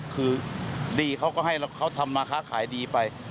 คือดีเขาก็ให้เขาทำมาค้าขายดีไป